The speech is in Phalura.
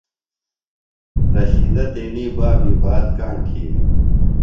رشیدہ تیݨی بابیۡ بات کاݨ تِھیلیۡ ۔